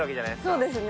そうですね。